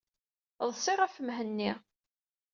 Ḍṣiɣ ɣef Mhenni.